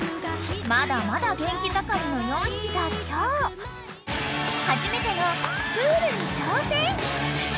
［まだまだ元気盛りの４匹が今日はじめてのプールに挑戦］